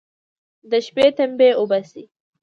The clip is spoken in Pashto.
د شپې تمبې اوباسي.